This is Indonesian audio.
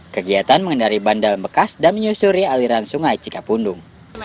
kegiatan mengendari bandal bekas dan menyusuri aliran sungai cikapundung